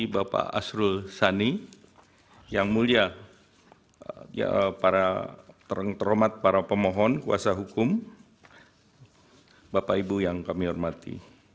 bapak asrul sani yang mulia para terhormat para pemohon kuasa hukum bapak ibu yang kami hormati